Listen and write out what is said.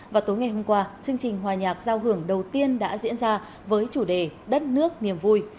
và tối ngày hôm qua chương trình hòa nhạc giao hưởng đầu tiên đã diễn ra với chủ đề đất nước niềm vui